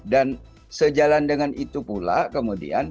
dan sejalan dengan itu pula kemudian